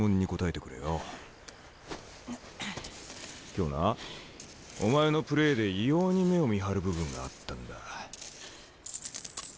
今日なお前のプレーで異様に目をみはる部分があったんだ。